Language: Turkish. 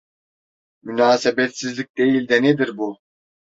Münasebetsizlik değil de nedir bu!